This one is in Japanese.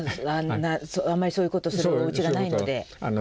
あんまりそういうことするおうちがないので。